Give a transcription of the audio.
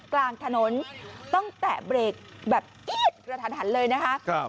กลางถนนต้องแตะเบรกแบบกรี๊ดกระทันหันเลยนะคะ